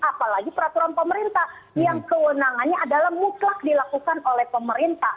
apalagi peraturan pemerintah yang kewenangannya adalah mutlak dilakukan oleh pemerintah